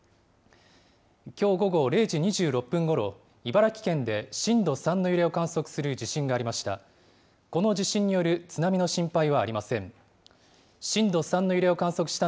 きょう午後０時２６分ごろ、茨城県で震度３の揺れを観測する地震がありました。